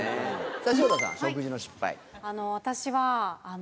さぁ潮田さん食事の失敗。